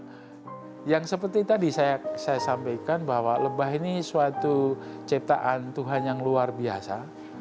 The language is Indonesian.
nah yang seperti tadi saya sampaikan bahwa lebah ini suatu ciptaan tuhan yang luar biasa